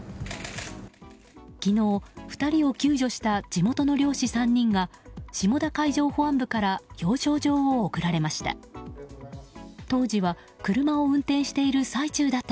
昨日、２人を救助した地元の漁師３人が下田海上保安部から表彰状を贈られました。